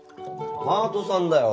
パートさんだよ